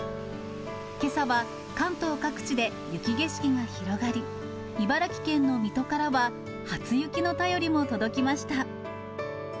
けさは関東各地で雪景色が広がり、茨城県の水戸からは、初雪の便りも届きました。